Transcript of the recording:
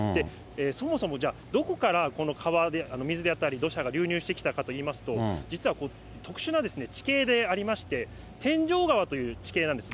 そもそもじゃあ、どこからこの水であったり土砂が流入してきたかといいますと、じつは特殊な地形でありまして、てんじょう川という地形なんです。